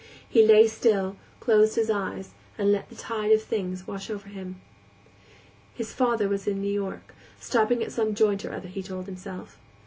He lay still, closed his eyes, and let the tide of things wash over him. His father was in New York; "stopping at some joint or other," he told himself.